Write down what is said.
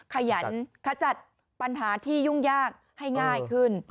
ขยันขจัดปัญหาที่ยุ่งยากให้ง่ายขึ้น